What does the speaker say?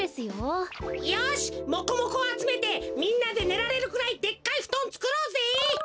よしモコモコをあつめてみんなでねられるくらいでっかいふとんつくろうぜ！